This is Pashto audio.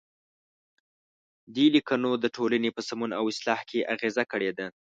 دې لیکنو د ټولنې په سمون او اصلاح کې اغیزه کړې ده.